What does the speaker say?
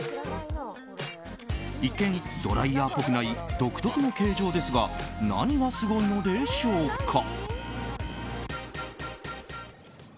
一見、ドライヤーっぽくない独特の形状ですが何がすごいのでしょうか。